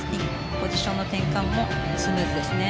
ポジションの転換もスムーズですね。